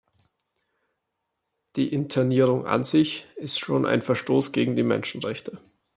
Die Internierung an sich ist schon ein Verstoß gegen die Menschenrechte.